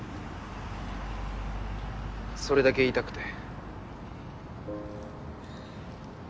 それだけ言いたくて。